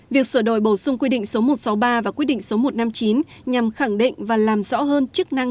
việc sửa đổi bổ sung quy định số một trăm sáu mươi ba và quy định số một trăm năm mươi chín nhằm khẳng định và làm rõ hơn chức năng